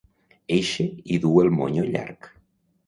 Eixe i dur el monyo llarg.